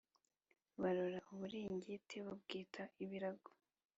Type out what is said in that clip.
Barora uburingiti, babwita ibirago;